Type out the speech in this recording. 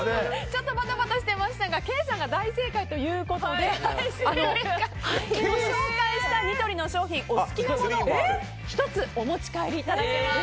ちょっとバタバタしてましたがケイさんが大正解ということでご紹介したトリノ商品お好きなものお持ち帰りいただけます。